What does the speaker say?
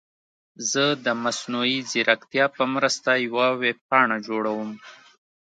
زه د مصنوعي ځیرکتیا په مرسته یوه ویب پاڼه جوړوم.